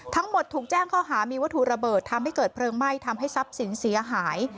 ถูกแจ้งข้อหามีวัตถุระเบิดทำให้เกิดเพลิงไหม้ทำให้ทรัพย์สินเสียหาย